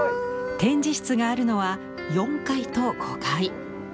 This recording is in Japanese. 展示室があるのは４階と５階。